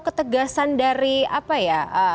ketegasan dari apa ya